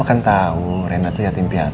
aku kasih tau pak